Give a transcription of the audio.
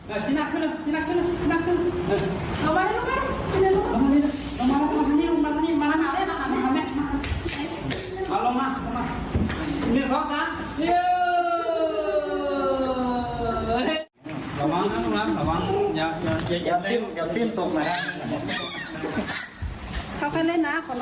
ออกมานี่ลูกแม่